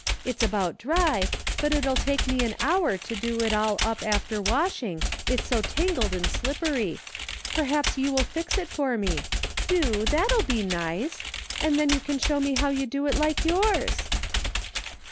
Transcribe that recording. It's about dry, but it'll take me an hour to do it all up after washing, it's so tangled and slippery. Perhaps you will fix it for me. Do, that'll be nice. Then j^ou can show me how to do it like yours."